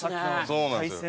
そうなんですよ。